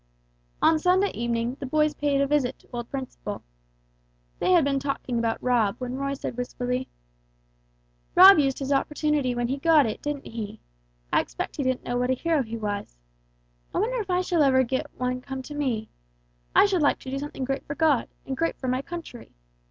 On Sunday evening the boys paid a visit to old Principle. They had been talking about Rob, when Roy said wistfully, "Rob used his opportunity when he got it, didn't he? I expect he didn't know what a hero he was. I wonder if I shall ever get one come to me. I should like to do something great for God, and great for my country.